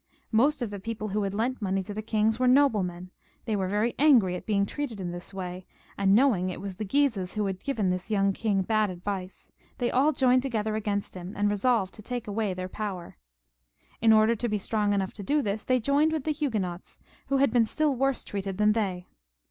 Most of the people who had lent money to the kings were noblemen ; they were very angry at being treated in this way, and knowing it was the Guises who had given the young king bad advice, they all joined together against them, and resolved to take away their power from them. In order to be strong enough to do this, they joined with the Huguenots, who had been still worse treated than they.